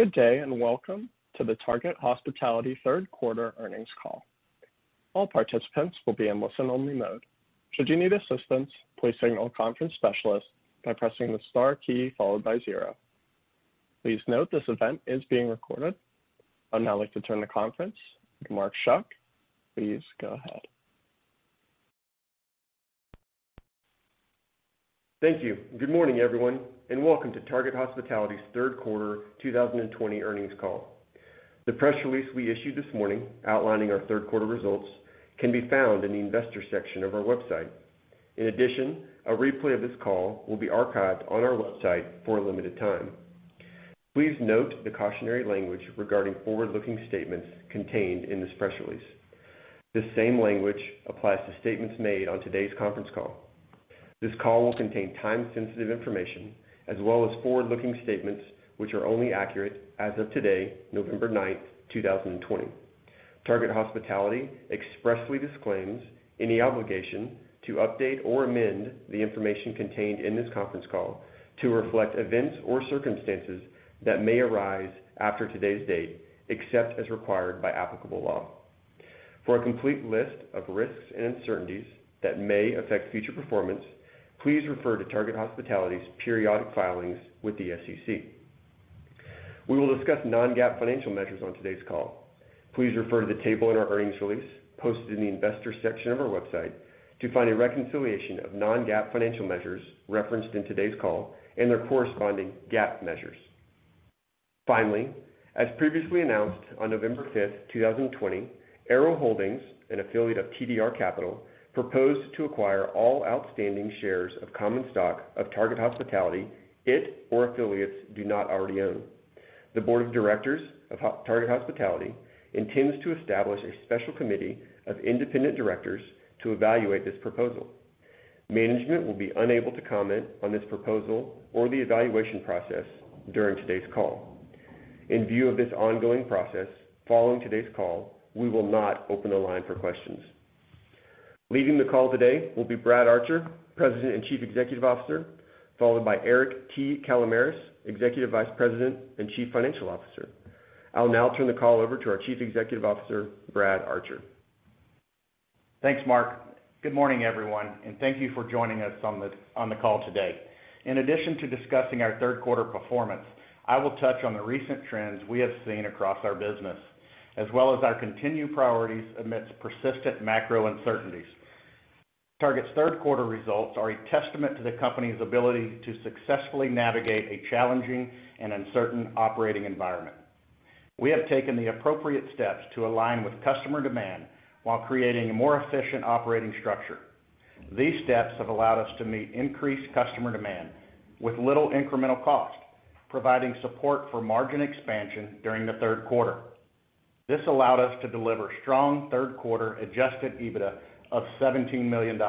Good day, welcome to the Target Hospitality third quarter earnings call. All participates will be in only-listen mode. Should you need a assistance, please signal a conference specialist by pressing the star key followed by zero. Please note this event is being recorded. I'd now like to turn the conference to Mark Schuck. Please go ahead. Thank you. Good morning, everyone, and welcome to Target Hospitality's third quarter 2020 earnings call. The press release we issued this morning outlining our third quarter results can be found in the investor section of our website. In addition, a replay of this call will be archived on our website for a limited time. Please note the cautionary language regarding forward-looking statements contained in this press release. This same language applies to statements made on today's conference call. This call will contain time-sensitive information, as well as forward-looking statements, which are only accurate as of today, November 9th, 2020. Target Hospitality expressly disclaims any obligation to update or amend the information contained in this conference call to reflect events or circumstances that may arise after today's date, except as required by applicable law. For a complete list of risks and uncertainties that may affect future performance, please refer to Target Hospitality's periodic filings with the SEC. We will discuss non-GAAP financial measures on today's call. Please refer to the table in our earnings release, posted in the Investor section of our website, to find a reconciliation of non-GAAP financial measures referenced in today's call and their corresponding GAAP measures. Finally, as previously announced, on November 5th, 2020, Arrow Holdings, an affiliate of TDR Capital, proposed to acquire all outstanding shares of common stock of Target Hospitality it or affiliates do not already own. The Board of Directors of Target Hospitality intends to establish a Special Committee of independent directors to evaluate this proposal. Management will be unable to comment on this proposal or the evaluation process during today's call. In view of this ongoing process, following today's call, we will not open the line for questions. Leading the call today will be Brad Archer, President and Chief Executive Officer, followed by Eric T. Kalamaras, Executive Vice President and Chief Financial Officer. I'll now turn the call over to our Chief Executive Officer, Brad Archer. Thanks, Mark. Good morning, everyone, and thank you for joining us on the call today. In addition to discussing our third quarter performance, I will touch on the recent trends we have seen across our business, as well as our continued priorities amidst persistent macro uncertainties. Target's third quarter results are a testament to the company's ability to successfully navigate a challenging and uncertain operating environment. We have taken the appropriate steps to align with customer demand while creating a more efficient operating structure. These steps have allowed us to meet increased customer demand with little incremental cost, providing support for margin expansion during the third quarter. This allowed us to deliver strong third quarter adjusted EBITDA of $17 million.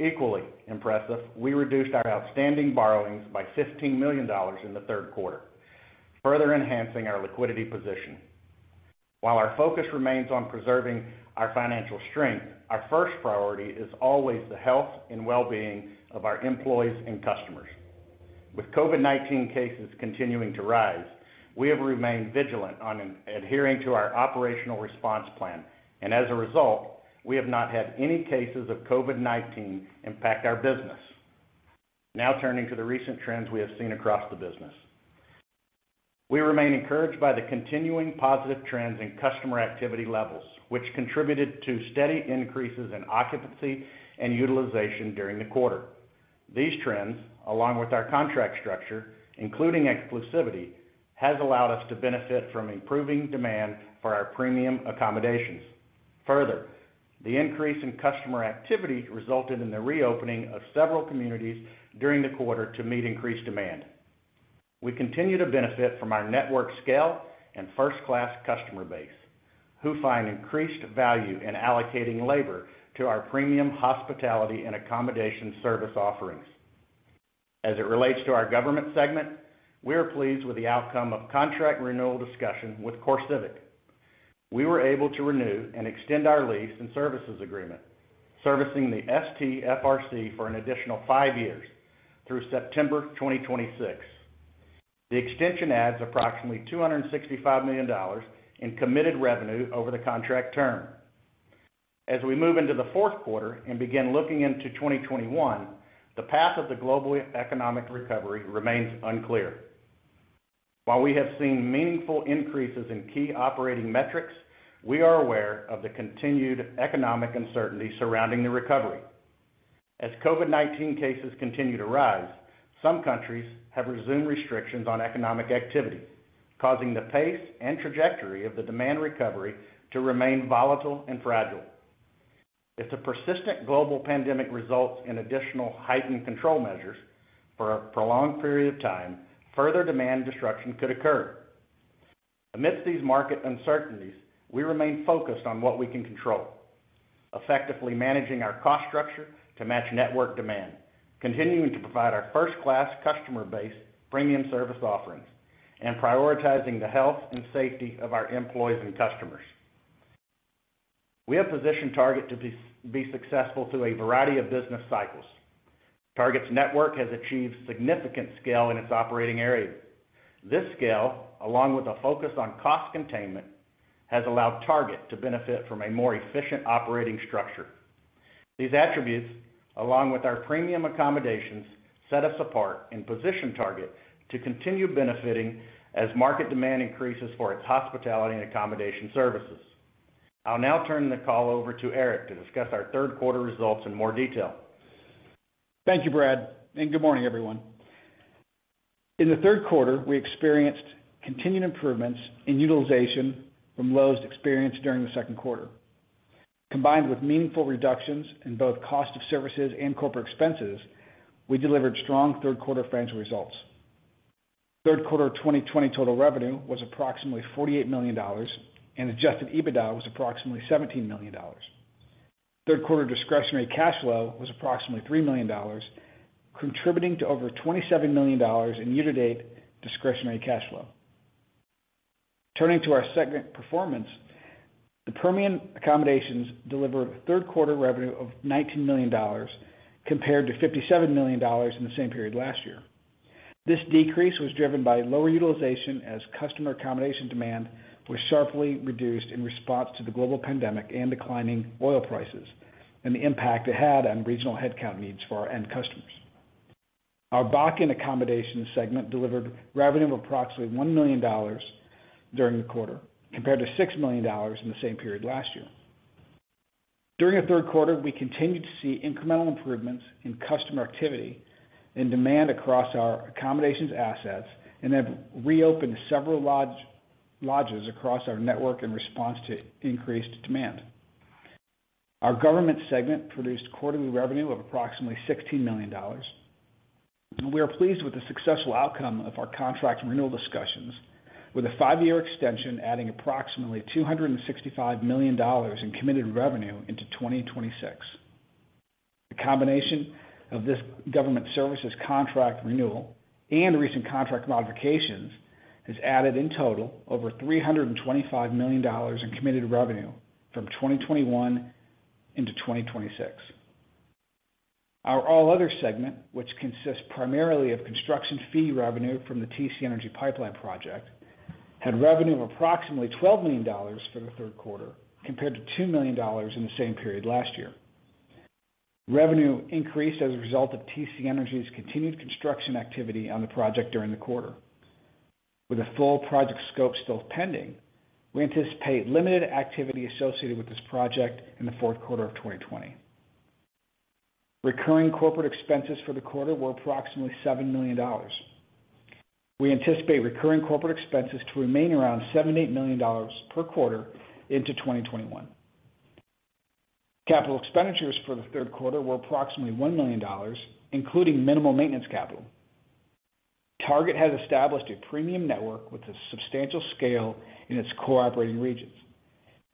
Equally impressive, we reduced our outstanding borrowings by $15 million in the third quarter, further enhancing our liquidity position. While our focus remains on preserving our financial strength, our first priority is always the health and wellbeing of our employees and customers. With COVID-19 cases continuing to rise, we have remained vigilant on adhering to our operational response plan. As a result, we have not had any cases of COVID-19 impact our business. Turning to the recent trends we have seen across the business. We remain encouraged by the continuing positive trends in customer activity levels, which contributed to steady increases in occupancy and utilization during the quarter. These trends, along with our contract structure, including exclusivity, has allowed us to benefit from improving demand for our Premium accommodations. The increase in customer activity resulted in the reopening of several communities during the quarter to meet increased demand. We continue to benefit from our network scale and first-class customer base, who find increased value in allocating labor to our premium hospitality and accommodation service offerings. As it relates to our Government segment, we are pleased with the outcome of contract renewal discussion with CoreCivic. We were able to renew and extend our lease and services agreement, servicing the STFRC for an additional five years through September 2026. The extension adds approximately $265 million in committed revenue over the contract term. As we move into the fourth quarter and begin looking into 2021, the path of the global economic recovery remains unclear. While we have seen meaningful increases in key operating metrics, we are aware of the continued economic uncertainty surrounding the recovery. As COVID-19 cases continue to rise, some countries have resumed restrictions on economic activity, causing the pace and trajectory of the demand recovery to remain volatile and fragile. If the persistent global pandemic results in additional heightened control measures for a prolonged period of time, further demand destruction could occur. Amidst these market uncertainties, we remain focused on what we can control, effectively managing our cost structure to match network demand, continuing to provide our first-class customer base premium service offerings, and prioritizing the health and safety of our employees and customers. We have positioned Target to be successful through a variety of business cycles. Target's network has achieved significant scale in its operating area. This scale, along with a focus on cost containment, has allowed Target to benefit from a more efficient operating structure. These attributes, along with our Premium accommodations, set us apart and position Target to continue benefiting as market demand increases for its hospitality and accommodation services. I'll now turn the call over to Eric to discuss our third quarter results in more detail. Thank you, Brad. Good morning, everyone. In the third quarter, we experienced continued improvements in utilization from lows experienced during the second quarter. Combined with meaningful reductions in both cost of services and corporate expenses, we delivered strong third quarter financial results. Third quarter 2020 total revenue was approximately $48 million, and adjusted EBITDA was approximately $17 million. Third quarter discretionary cash flow was approximately $3 million, contributing to over $27 million in year-to-date discretionary cash flow. Turning to our segment performance, the Permian accommodations delivered a third quarter revenue of $19 million compared to $57 million in the same period last year. This decrease was driven by lower utilization as customer accommodation demand was sharply reduced in response to the global pandemic and declining oil prices, and the impact it had on regional headcount needs for our end customers. Our Bakken accommodation segment delivered revenue of approximately $1 million during the quarter, compared to $6 million in the same period last year. During the third quarter, we continued to see incremental improvements in customer activity and demand across our accommodations assets and have reopened several lodges across our network in response to increased demand. Our Government segment produced quarterly revenue of approximately $16 million. We are pleased with the successful outcome of our contract renewal discussions, with a five-year extension adding approximately $265 million in committed revenue into 2026. The combination of this government services contract renewal and recent contract modifications has added, in total, over $325 million in committed revenue from 2021 into 2026. Our All Other segment, which consists primarily of construction fee revenue from the TC Energy pipeline project, had revenue of approximately $12 million for the third quarter, compared to $2 million in the same period last year. Revenue increased as a result of TC Energy's continued construction activity on the project during the quarter. With the full project scope still pending, we anticipate limited activity associated with this project in the fourth quarter of 2020. Recurring corporate expenses for the quarter were approximately $7 million. We anticipate recurring corporate expenses to remain around $7 million-$8 million per quarter into 2021. Capital expenditures for the third quarter were approximately $1 million, including minimal maintenance capital. Target has established a premium network with a substantial scale in its core operating regions.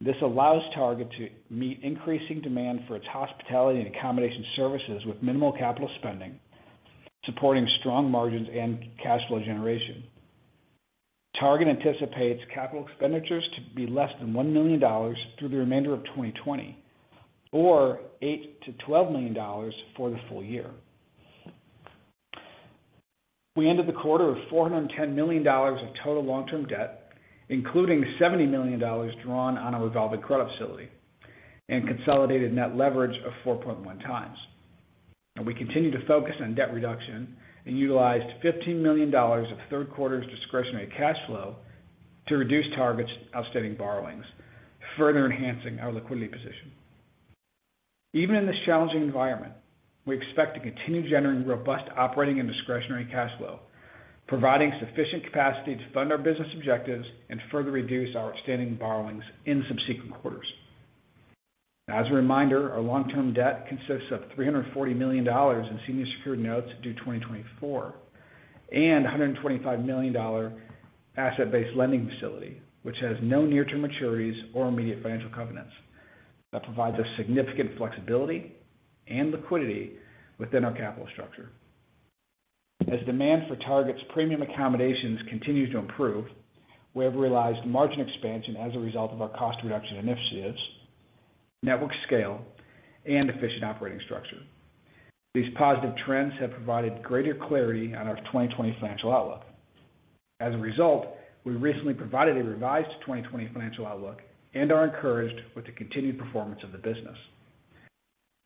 This allows Target to meet increasing demand for its hospitality and accommodation services with minimal capital spending, supporting strong margins and cash flow generation. Target anticipates capital expenditures to be less than $1 million through the remainder of 2020, or $8 million-$12 million for the full year. We ended the quarter with $410 million of total long-term debt, including $70 million drawn on a revolving credit facility and consolidated net leverage of 4.1x. We continue to focus on debt reduction and utilized $15 million of the third quarter's discretionary cash flow to reduce Target's outstanding borrowings, further enhancing our liquidity position. Even in this challenging environment, we expect to continue generating robust operating and discretionary cash flow, providing sufficient capacity to fund our business objectives and further reduce our outstanding borrowings in subsequent quarters. As a reminder, our long-term debt consists of $340 million in senior secured notes due 2024 and a $125 million asset-based lending facility, which has no near-term maturities or immediate financial covenants. That provides us significant flexibility and liquidity within our capital structure. As demand for Target's Premium accommodations continue to improve, we have realized margin expansion as a result of our cost reduction initiatives, network scale, and efficient operating structure. These positive trends have provided greater clarity on our 2020 financial outlook. As a result, we recently provided a revised 2020 financial outlook and are encouraged with the continued performance of the business.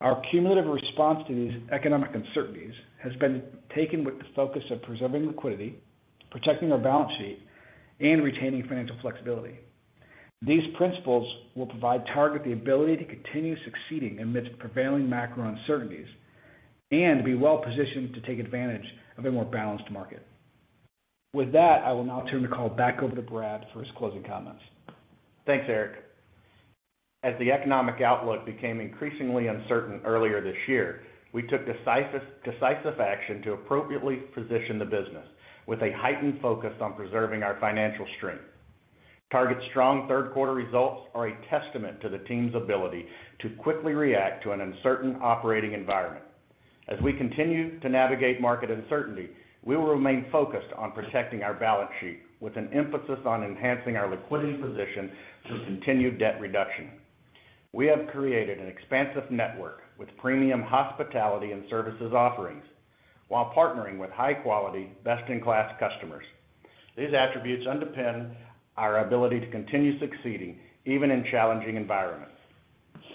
Our cumulative response to these economic uncertainties has been taken with the focus of preserving liquidity, protecting our balance sheet, and retaining financial flexibility. These principles will provide Target the ability to continue succeeding amidst prevailing macro uncertainties and be well-positioned to take advantage of a more balanced market. With that, I will now turn the call back over to Brad for his closing comments. Thanks, Eric. As the economic outlook became increasingly uncertain earlier this year, we took decisive action to appropriately position the business with a heightened focus on preserving our financial strength. Target's strong third-quarter results are a testament to the team's ability to quickly react to an uncertain operating environment. As we continue to navigate market uncertainty, we will remain focused on protecting our balance sheet, with an emphasis on enhancing our liquidity position through continued debt reduction. We have created an expansive network with premium hospitality and services offerings while partnering with high-quality, best-in-class customers. These attributes underpin our ability to continue succeeding even in challenging environments.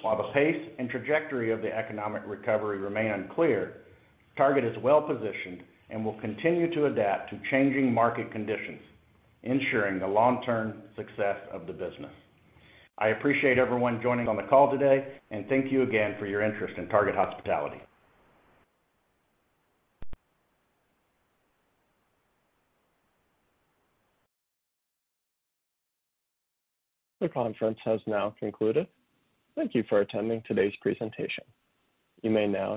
While the pace and trajectory of the economic recovery remain unclear, Target is well-positioned and will continue to adapt to changing market conditions, ensuring the long-term success of the business. I appreciate everyone joining on the call today, and thank you again for your interest in Target Hospitality. This conference has now concluded. Thank you for attending today's presentation. You may now.